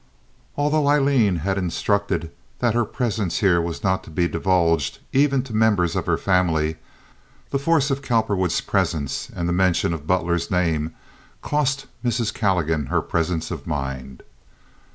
Although Aileen had instructed that her presence here was not to be divulged even to the members of her family the force of Cowperwood's presence and the mention of Butler's name cost Mrs. Calligan her presence of mind.